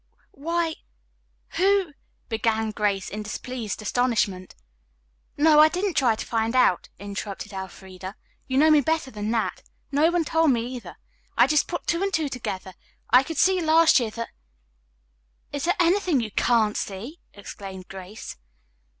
"Why who " began Grace in displeased astonishment. "No, I didn't try to find out," interrupted Elfreda. "You know me better than that. No one told me, either. I just put two and two together. I could see last year that " "Is there anything you can't see?" exclaimed Grace.